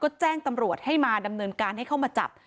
ก็แจ้งตำรวจให้มาดำเนินการให้เข้ามาจับ